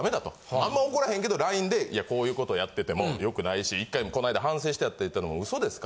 あんま怒らへんけどＬＩＮＥでいやこういう事やってても良くないし一回この間反省したと言ったのも嘘ですか？